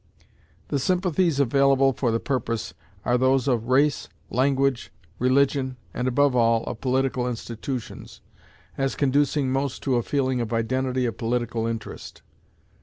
The sympathies available for the purpose are those of race, language, religion, and, above all, of political institutions, as conducing most to a feeling of identity of political interest.